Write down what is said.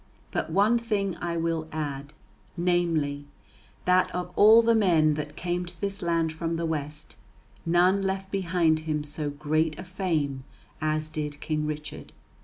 But one thing I will add, namely, that of all the men that came to this land from the West none left behind him so great a fame as did King Richard.